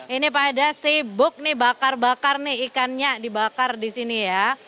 ini pada sibuk nih bakar bakar nih ikannya dibakar di sini ya